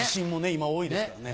今多いですからね。